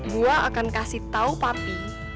gue akan kasih tau papi